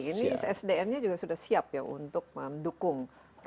ini sdm nya juga sudah siap ya untuk mendukung